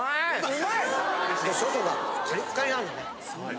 外がカリッカリなのね。